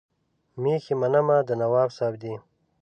مېښې منمه د نواب صاحب دي.